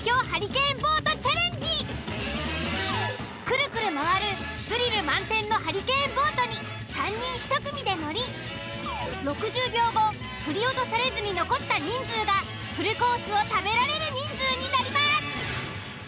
くるくる回るスリル満点のハリケーンボートに３人１組で乗り６０秒後振り落とされずに残った人数がフルコースを食べられる人数になります！